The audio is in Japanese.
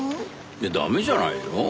いや駄目じゃないよ。